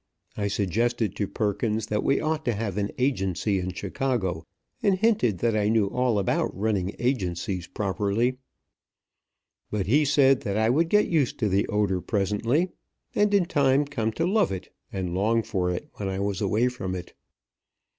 I suggested to Perkins that we ought to have an agency in Chicago, and hinted that I knew all about running agencies properly; but he said I would get used to the odor presently, and in time come to love it and long for it when I was away from it.